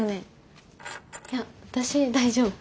いや私大丈夫。